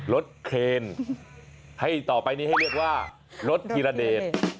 รถเคนให้ต่อไปนี้ให้เรียกว่ารถธีรเดช